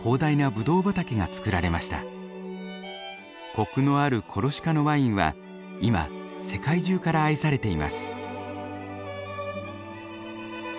コクのあるコルシカのワインは今世界中から愛されています。